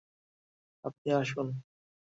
আপনি আসুন।